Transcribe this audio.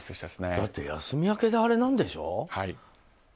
だって、休み明けであれなんでしょ。